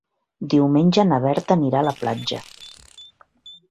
Diumenge na Berta anirà a la platja.